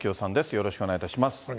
よろしくお願いします。